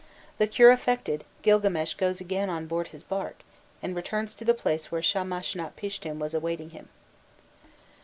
The cure effected, Gilgames goes again on board his bark, and returns to the place where Shamashnapishtim was awaiting him.